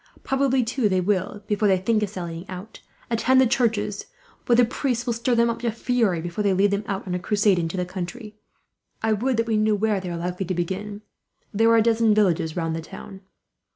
Probably, too, they will, before they think of sallying out, attend the churches; where the priests will stir them up to fury, before they lead them out on a crusade into the country. "I would that we knew where they are likely to begin. There are a dozen villages, round the town."